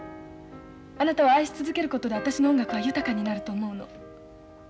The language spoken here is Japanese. あなたを愛し続けることで私の音楽は豊かになると思うの。